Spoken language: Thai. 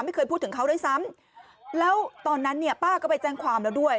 ไม่เคยพูดถึงเขาด้วยซ้ำแล้วตอนนั้นเนี่ยป้าก็ไปแจ้งความแล้วด้วย